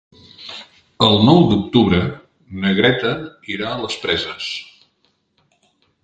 El nou d'octubre na Greta irà a les Preses.